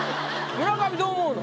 村上どう思うの？